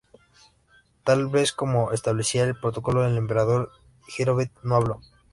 Tal como establecía el protocolo el emperador Hirohito no habló.